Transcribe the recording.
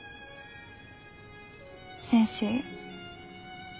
先生